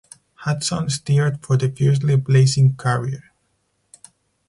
"Hudson" steered for the fiercely blazing carrier.